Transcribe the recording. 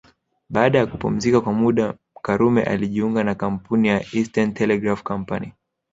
Baada ya kupumzika kwa muda Karume alijiunga na kampuni ya Eastern Telegraph Company